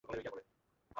Lemon কেসটা পাহারা দিচ্ছে।